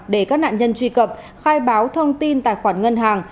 để các nạn nhân truy cập khai báo thông tin tài khoản ngân hàng